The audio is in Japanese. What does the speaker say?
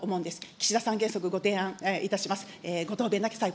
岸田３原則ご提案いたします。